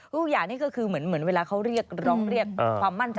ทุกอย่างนี้คือเหมือนเวลาเขาเรียกเรียกความมั่นจังอย่าง